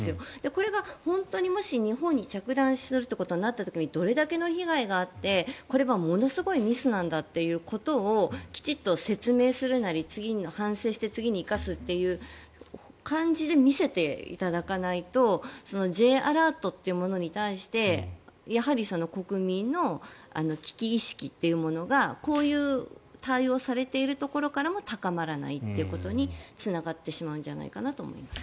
これが本当にもし日本に着弾するということになった時にどれだけの被害があってこれがものすごいミスなんだということをきちんと説明するなり反省して次に生かすという感じで見せていただかないとＪアラートというものに対して国民の危機意識というものがこういう対応をされているところからも高まらないということにつながってしまうんじゃないかなと思います。